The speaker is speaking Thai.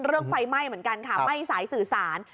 ไฟไหม้เหมือนกันค่ะไหม้สายสื่อสาร